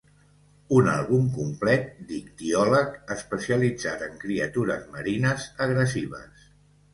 Un àlbum complet d'ictiòleg especialitzat en criatures marines agressives.